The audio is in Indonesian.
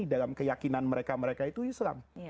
dalam keyakinan mereka mereka itu islam